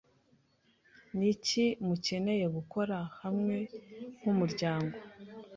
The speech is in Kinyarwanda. ni iki mukeneye gukora hamwe nk’umuryango